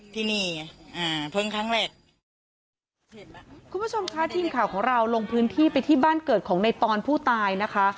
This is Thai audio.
ที่นี่อ่าเพิ่งครั้งแรกคุณผู้ชมค่ะทีมข่าวของเราลงพื้นที่ไปที่บ้านเกิดของในปอนผู้ตายนะคะ